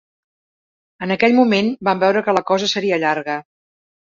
En aquell moment vam veure que la cosa seria llarga.